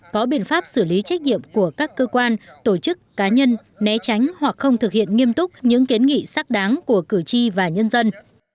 có biện pháp xử lý trách nhiệm của các cơ quan tổ chức cá nhân né tránh hoặc không thực hiện nghiêm túc những kiến nghị xác đáng của cử tri và nhân dân